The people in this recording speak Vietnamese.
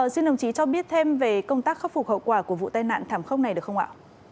xin đồng chí cho biết thêm về công tác khắc phục hậu quả của vụ tai nạn thảm khốc này được không ạ